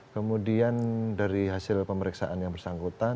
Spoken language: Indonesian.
kemudian dari kota bandung kita melakukan pergulatan dengan pergulatan dengan pergulatan